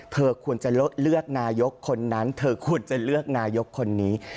เธอควรจะเลือกนายกคนนั้นเธอควรจะเลือกนายกคนนี้